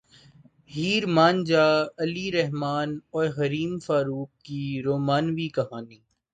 ہیر مان جا علی رحمن اور حریم فاروق کی رومانوی کہانی